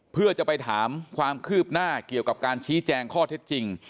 เพื่อจะไปถามความคืบหน้าเกี่ยวกับการชี้แจงข้อเท็จจริง